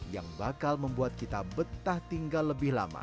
yang bakal membuat kita betah tinggal lebih lama